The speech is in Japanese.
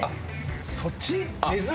そっち？